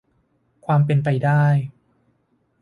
ความเป็นไปได้